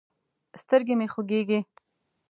سترګې مې خوږېږي.